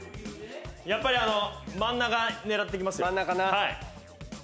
やっぱり真ん中狙っていきますよ。